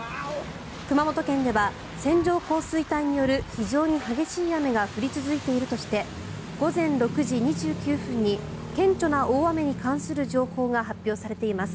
熊本県では線状降水帯による非常に激しい雨が降り続いているとして午前６時２９分に顕著な大雨に関する情報が発表されています。